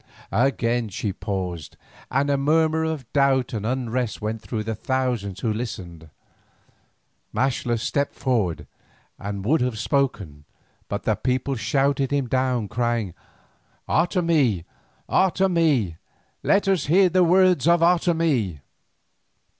Again she paused, and a murmur of doubt and unrest went through the thousands who listened. Maxtla stepped forward and would have spoken, but the people shouted him down, crying: "Otomie, Otomie! Let us hear the words of Otomie."